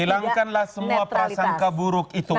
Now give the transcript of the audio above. hilangkanlah semua perasaan keburuk itu